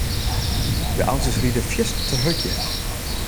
De auto's riede fiersten te hurd hjir.